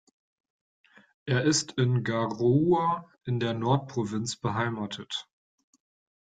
Er ist in Garoua in der Nord-Provinz beheimatet.